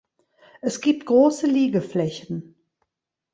Es gibt große Liegeflächen.